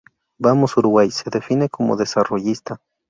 Vamos Uruguay se define como desarrollista.